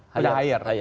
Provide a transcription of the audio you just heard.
sudah yang higher